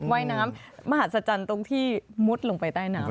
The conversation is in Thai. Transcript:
ว่ายน้ำมหัศจรรย์ตรงที่มุดลงไปใต้น้ำ